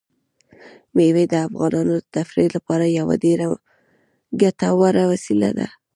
مېوې د افغانانو د تفریح لپاره یوه ډېره ګټوره وسیله ده.